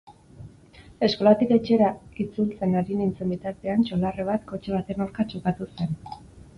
Eskolatik etxera hitzultzen ari nintzen bitartean txolarre bat kotxe baten aurka txokatu zen.